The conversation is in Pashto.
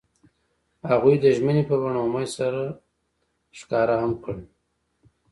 هغوی د ژمنې په بڼه امید سره ښکاره هم کړه.